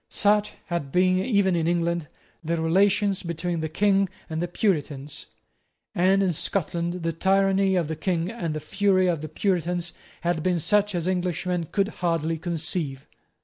Such had been, even in England, the relations between the King and the Puritans; and in Scotland the tyranny of the King and the fury of the Puritans had been such as Englishmen could hardly conceive.